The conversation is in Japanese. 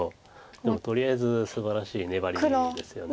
でもとりあえずすばらしい粘りですよね。